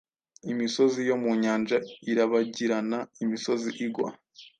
Imisozi yo mu nyanja irabagiranaimisozi igwa